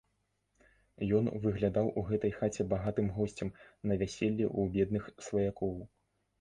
Ён выглядаў у гэтай хаце багатым госцем на вяселлі ў бедных сваякоў.